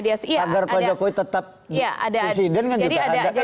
agar kajakuyi tetap presiden kan juga